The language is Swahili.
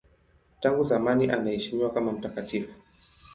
Tangu zamani anaheshimiwa kama mtakatifu.